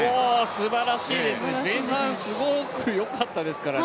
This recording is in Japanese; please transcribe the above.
すばらしいですね前半すごくよかったですからね。